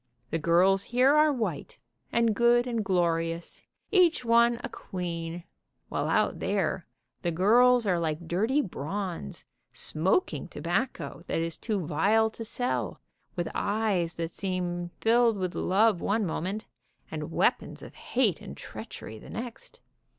The girls here are white, and good and glorious, each one a queen, while out there the girls are like dirty bronze, smoking tobacco that is too vile to sell, with eyes that seem filled with love one moment, and weapons of hate and treachery the next.